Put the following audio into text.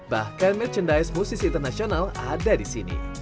bahkan merchandise musisi internasional ada di sini